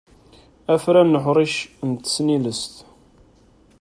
Afran n uḥric n tesnilest.